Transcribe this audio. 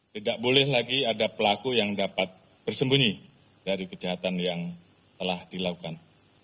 tidak boleh lagi ada pelaku yang dapat bersembunyi dari kejahatan yang telah dilakukan